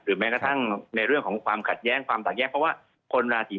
แม้กระทั่งในเรื่องของความขัดแย้งความแตกแยกเพราะว่าคนราศี